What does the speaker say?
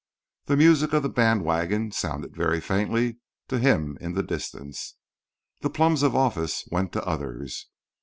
The music of the band wagon sounded very faintly to him in the distance. The plums of office went to others.